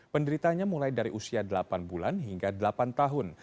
penderitanya mulai dari usia delapan bulan hingga delapan tahun